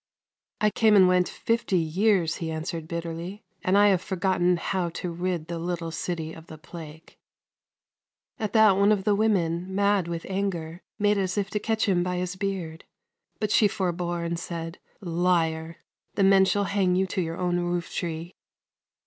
" I came and went fifty years," he answered bitterly, " and I have forgotten how to rid the little city of the plague !" At that one of the women, mad with anger, made as if to catch him by his beard, but she forbore, and said :" Liar ! the men shall hang you to your own roof tree."